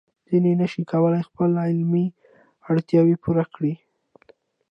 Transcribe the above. ځینې نشي کولای خپل علمي اړتیاوې پوره کړي.